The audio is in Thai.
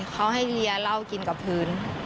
เขาให้เฮียเหล้ากินกับพื้น